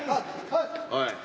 はい。